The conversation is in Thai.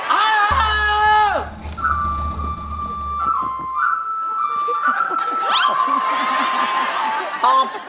เอาเอาเอา